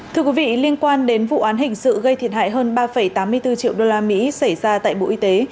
thưa quý vị liên quan đến vụ án hình sự gây thiệt hại hơn ba tám mươi bốn triệu usd xảy ra tại bộ y tế